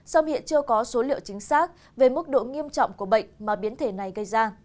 song hiện chưa có số liệu chính xác về mức độ nghiêm trọng của bệnh mà biến thể này gây ra